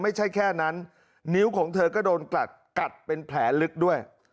ไม่ใช่แค่นั้นนิ้วของเธอก็โดนกลัดกัดเป็นแผลลึกด้วย